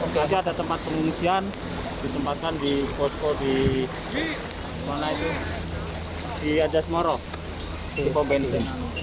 tadi ada tempat pengungsian ditempatkan di bosko di adas moro di pobensi